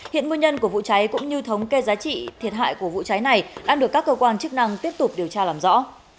hiện nguyên nhân của vụ cháy cũng như thống kê giá trị thiệt hại của vụ cháy này đang được các cơ quan chức năng tiếp tục điều tra làm rõ